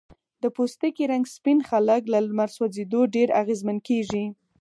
د پوستکي رنګ سپین خلک له لمر سوځېدو ډیر اغېزمن کېږي.